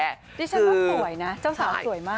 นี่ช่างลายแม่น่ะเจ้าสาวสวยมาก